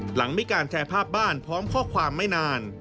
หลังมีการแชร์ภาพบ้านพร้อมข้อความไม่นาน